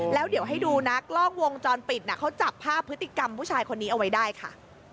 แล้วเดี๋ยวให้ดูนะกล้องวงจรปิดเขาจับภาพพฤติกรรมผู้ชายคนนี้เอาไว้ได้ค่ะ